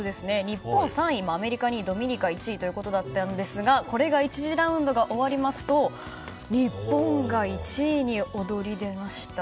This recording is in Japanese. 日本３位、アメリカ２位ドミニカ１位でしたがこれが１次ラウンドが終わりますと日本が１位に躍り出ました。